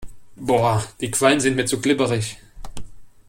Boah, die Quallen sind mir zu glibberig.